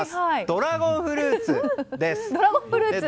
ドラゴンフルーツです。